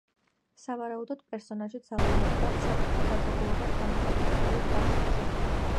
სავარაუდოდ, პერსონაჟი ძალაუნებურად, საკუთარ დაძაბულობას გამოხატავს სკოლის ბავშვებზე.